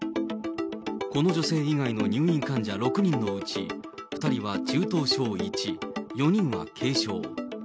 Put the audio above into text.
この女性以外の入院患者６人のうち、２人は中等症１、４人は軽症。